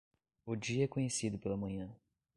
O dia é conhecido pela manhã.